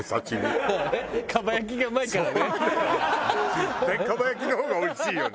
絶対蒲焼の方がおいしいよね。